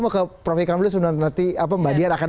mau ke profi kam dulu nanti mbak dian akan